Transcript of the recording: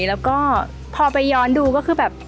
แล้วก็พอไปย้อนดูก็คือแบบ